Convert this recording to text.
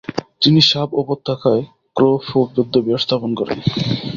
তিনি শাব উপত্যকায় খ্রো-ফু বৌদ্ধবিহার স্থাপন করেন।